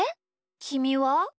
きみは？